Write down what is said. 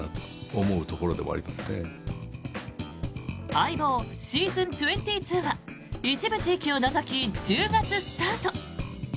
「相棒ｓｅａｓｏｎ２２」は一部地域を除き１０月スタート。